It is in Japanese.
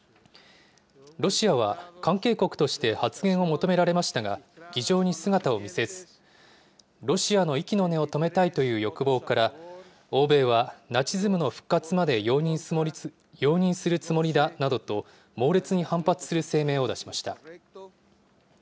ロシアは関係国として発言を求められましたが、議場に姿を見せず、ロシアの息の根を止めたいという欲望から、欧米はナチズムの復活まで容認するつもりだなどと猛烈に反発する声明を出しました。